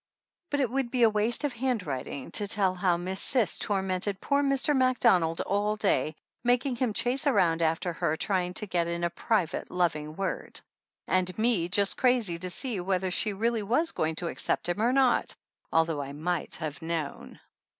But it would be a waste of handwriting to tell how Miss Cis tormented poor Mr. Macdonald all day, making him chase around after her trying to get in a private, loving word; and me just crazy to see whether she really was going to accept him or not, al though I might have known